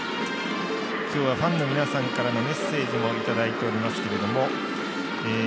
今日はファンの皆さんからのメッセージもいただいておりますけども